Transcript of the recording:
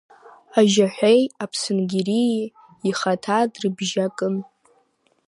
Ажьаҳәеи аԥсынгьерии ихаҭа дрыбжьа-кын.